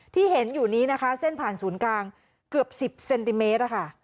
ที่เห็นอยู่นี้นะคะเส้นผ่านศูนย์กลางเกือบ๑๐เซนติเมตร